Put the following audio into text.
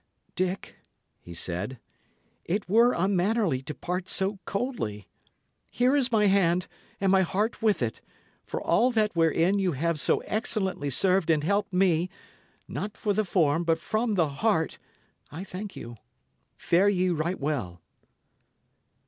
"Dick," he said, "it were unmannerly to part so coldly. Here is my hand, and my heart with it. For all that wherein you have so excellently served and helped me not for the form, but from the heart, I thank you. Fare ye right well."